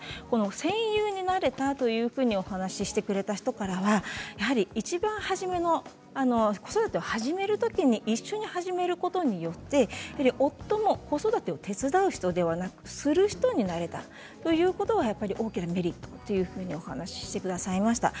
戦友になれたというふうにお話ししてくれた人からはやはり、いちばん初めの子育てを始めるときに一緒に始めることによって夫も子育てを手伝う人ではなくてする人になれたということは大きなメリットだというふうに話していました。